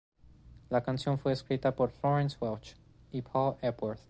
La canción fue escrita por Florence Welch y Paul Epworth.